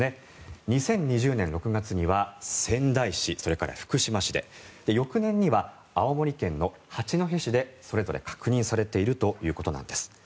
２０２０年６月には仙台市それから福島市で翌年には青森県の八戸市でそれぞれ確認されているということなんです。